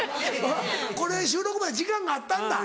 これ収録まで時間があったんだ。